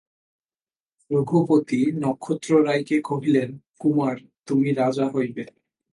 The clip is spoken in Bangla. রঘুপতি নক্ষত্ররায়কে কহিলেন, কুমার, তুমি রাজা হইবে।